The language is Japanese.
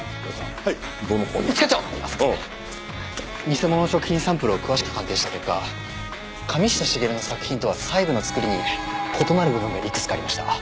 偽物の食品サンプルを詳しく鑑定した結果神下茂の作品とは細部の作りに異なる部分がいくつかありました。